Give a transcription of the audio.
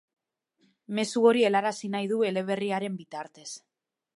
Mezu hori helarazi nahi du eleberriaren bitartez.